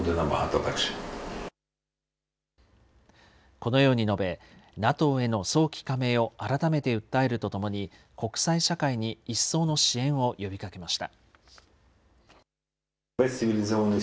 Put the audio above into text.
このように述べ、ＮＡＴＯへの早期加盟を改めて訴えるとともに、国際社会に一層の支援を呼びかけました。